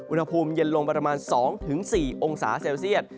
อุณหภูมิเย็นลงประมาณ๒๔องศาเซลเซียต